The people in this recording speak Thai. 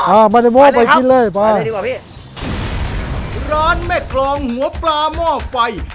อ่าไม่ได้หม้อไปกินเลยไปเลยดีกว่าพี่ร้านแม่กรองหัวปลาหม้อไฟ